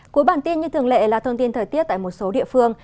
cuối bản tin như thường lệ là thông tin thời tiết tại một số địa phương